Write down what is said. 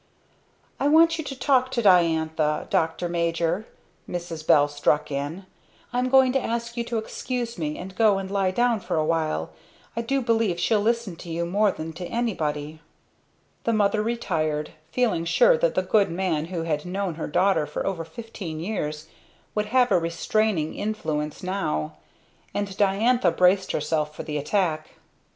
"I want you to talk to Diantha, Doctor Major," Mrs. Bell struck in. "I'm going to ask you to excuse me, and go and lie down for a little. I do believe she'll listen to you more than to anybody." The mother retired, feeling sure that the good man who had known her daughter for over fifteen years would have a restraining influence now; and Diantha braced herself for the attack.